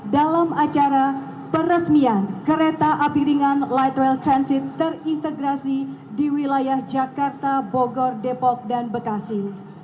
dalam acara peresmian kereta api ringan light rail transit terintegrasi di wilayah jakarta bogor depok dan bekasi